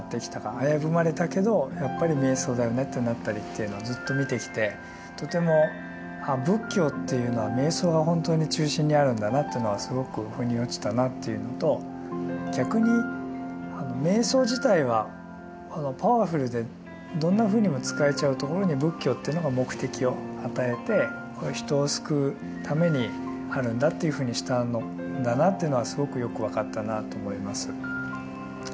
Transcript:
危ぶまれたけどやっぱり瞑想だよねってなったりというのをずっと見てきてとてもあ仏教というのは瞑想が本当に中心にあるんだなというのはすごく腑に落ちたなというのと逆に瞑想自体はパワフルでどんなふうにも使えちゃうところに仏教というのが目的を与えて人を救うためにあるんだというふうにしたんだなというのはすごくよく分かったなと思います。